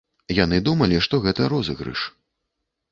Яны думалі, што гэта розыгрыш.